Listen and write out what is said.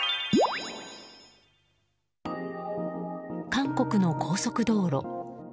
韓国の高速道路。